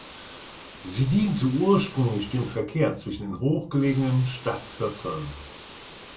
Sie diente ursprünglich dem Verkehr zwischen den hoch gelegenen Stadtvierteln.